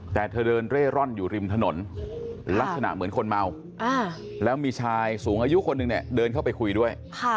แต่เธอเดินเร่ร่อนอยู่ริมถนนลักษณะเหมือนคนเมาแล้วมีชายสูงอายุคนหนึ่งเนี่ยเดินเข้าไปคุยด้วย